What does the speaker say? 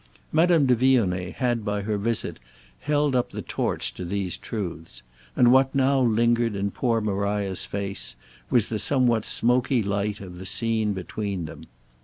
Madame de Vionnet had by her visit held up the torch to these truths, and what now lingered in poor Maria's face was the somewhat smoky light of the scene between them.